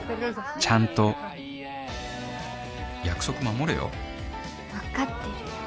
ちゃんと約束守れよ分かってるよ。